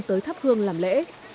tới tháp hương làm lễ